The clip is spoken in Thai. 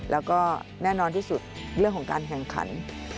แล้วก็แน่นอนที่สุดเรื่องของการแข่งขัน